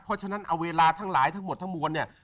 เพราะฉะนั้นเอาเวลาทั้งหลายทั้งหมดทั้งมวลเนี่ย